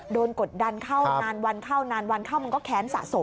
กดดันเข้านานวันเข้านานวันเข้ามันก็แค้นสะสม